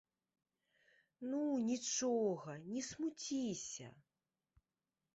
Ну, нічога, не смуціся.